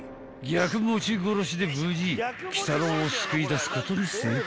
［で無事鬼太郎を救い出すことに成功］